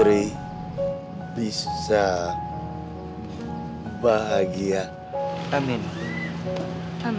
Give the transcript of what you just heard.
kamu sama aku akan terima